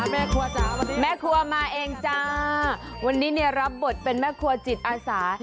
แม่ครัวจ๋าแม่ครัวมาเองจ้าวันนี้เนี่ยรับบทเป็นแม่ครัวจิตอาสา